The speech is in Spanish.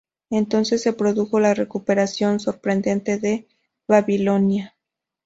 Entonces se produjo la recuperación sorprendente de Babilonia.